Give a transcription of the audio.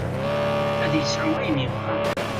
Ad yesɛu ayen yebɣa.